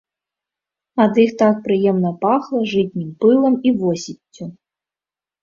Ад іх так прыемна пахла жытнім пылам і восеццю.